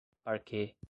parquet